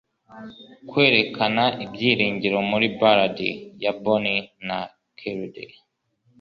kwerekana ibyiringiro, muri ballad ya bonnie na clyde